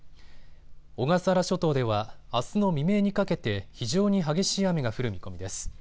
小笠原諸島ではあすの未明にかけて非常に激しい雨が降る見込みです。